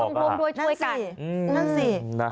คุณต้องรีบช่วยกันนั่นสิ